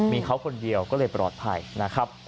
มีเขาคนเดียวก็เลยปลอดภัยนะครับ